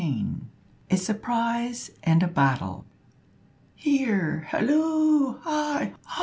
A SURPRISE AND A BATTLE. "Here! halloo! hi!